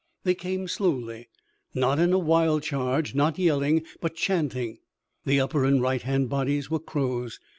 They came slowly, not in a wild charge, not yelling, but chanting. The upper and right hand bodies were Crows.